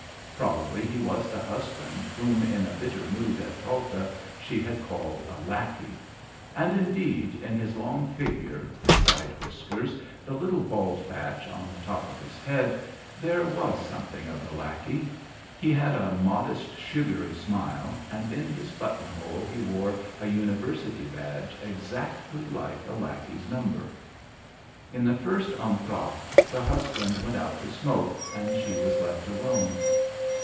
Probably he was the husband whom in a bitter mood at Talta she had called a lackey. And, indeed, in his long figure, his side whiskers, the little bald patch on the top of his head, there was something of the lackey; he had a modest sugary smile and in his buttonhole he wore a University badge exactly like a lackey's number. In the first entr'acte the husband went out to smoke, and she was left alone.